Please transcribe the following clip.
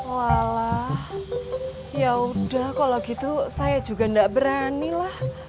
walah ya udah kalau gitu saya juga nggak beranilah